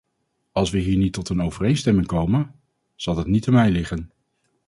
Als we hier niet tot een overeenstemming komen, zal dat niet aan mij liggen.